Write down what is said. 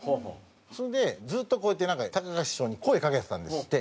それでずっとこうやってなんかたかし師匠に声かけてたんですって。